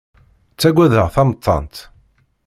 Ttaggadeɣ tamettant.